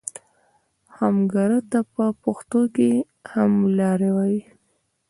همګرا ته په پښتو کې هملاری وایي.